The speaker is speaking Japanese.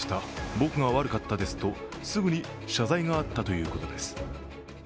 僕が悪かったですとすぐに謝罪があったということです。